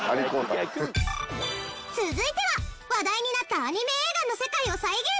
続いては話題になったアニメ映画の世界を再現した空間！